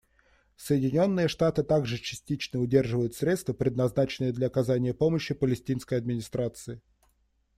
Соединенные Штаты также частично удерживают средства, предназначенные для оказания помощи Палестинской администрации.